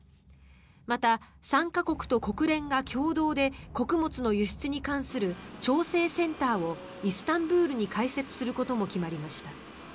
また参加国と国連が共同で穀物の輸出に関する調整センターをイスタンブールに開設することも決まりました。